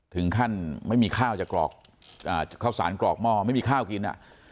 ถึงขั้นไม่มีข้าวจะกรอกข้าวสารกรอกหม้อไม่มีข้าวกิน